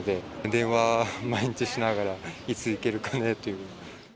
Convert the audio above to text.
電話、毎日しながら、いつ行けるかねっていう。